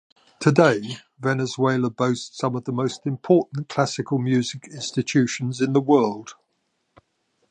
Today Venezuela boasts some of the most important classical music institutions in the world.